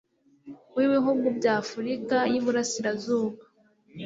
w ibihugu by afurika y iburasirazuba